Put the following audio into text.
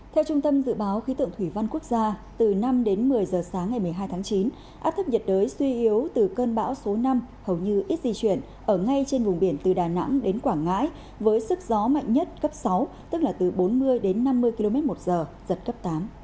theo trung tâm dự báo khí tượng thủy văn quốc gia từ năm đến một mươi giờ sáng ngày một mươi hai tháng chín áp thấp nhiệt đới suy yếu từ cơn bão số năm hầu như ít di chuyển ở ngay trên vùng biển từ đà nẵng đến quảng ngãi với sức gió mạnh nhất cấp sáu tức là từ bốn mươi đến năm mươi km một giờ giật cấp tám